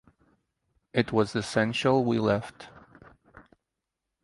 It was essential we left.